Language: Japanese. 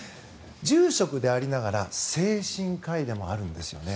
住職でありながら精神科医でもあるんですよね。